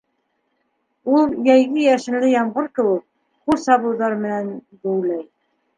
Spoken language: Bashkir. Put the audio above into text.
Ул, йәйге йәшенле ямғыр кеүек, ҡул сабыуҙар мейән геүләй.